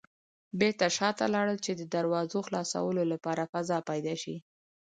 بېرته شاته لاړل چې د دراوزو خلاصولو لپاره فضا پيدا شي.